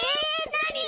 なに？